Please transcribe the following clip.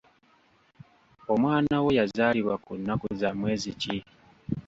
Omwana wo yazaalibwa ku nnnaku za mwezi ki?